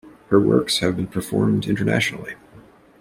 Her works have been performed internationally.